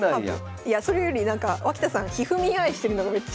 いやそれよりなんか脇田さんがひふみんアイしてるのがめっちゃ。